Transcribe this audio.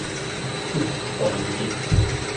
Ух, бандит!